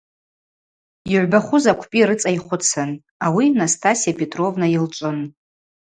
Йгӏвбахуз аквпӏи рыцӏа йхвыцын, ауи Настасья Петровна йылчӏвын.